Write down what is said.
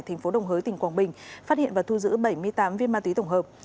tp đồng hới tỉnh quảng bình phát hiện và thu giữ bảy mươi tám viên ma túy tổng hợp